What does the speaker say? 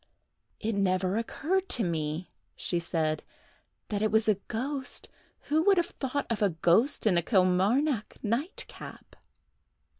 "It never occurred to me," she said, "that it was a ghost. Who could have thought of a ghost in a Kilmarnock nightcap!"